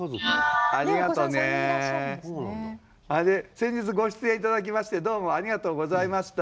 先日ご出演頂きましてどうもありがとうございました。